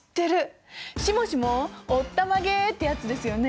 「しもしもおったまげ」ってやつですよね？